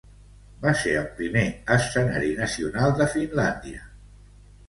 Va ser el primer escenari nacional de Finlàndia.